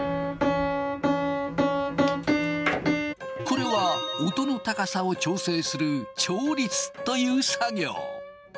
これは音の高さを調整する調律という作業。